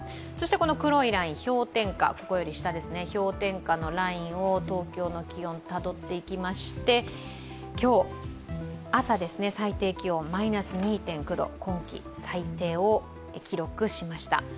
黒いライン、氷点下のラインを東京の気温、たどっていきまして、今日、朝、最低気温マイナス２．９度、今季最低を記録しました。